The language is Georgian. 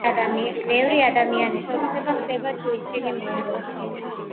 ბევრი ადამიანის ოცნება ხდება თუ ისინი მოინდომებენ